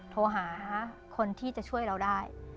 โทรหาคนที่จะช่วยเราได้